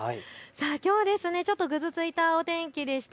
きょうはぐずついたお天気でした。